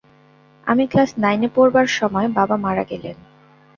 আমি ক্লাস নাইনে পড়বার সময় বাবা মারা গেলেন!